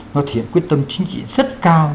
nó thể hiện quyết tâm chính trị rất cao